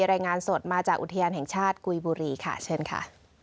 รายงานสดมาจากอุทยานแห่งชาติกุยบุรีค่ะเชิญค่ะ